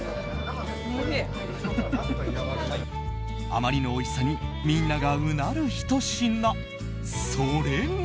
あまりのおいしさにみんながうなるひと品それが。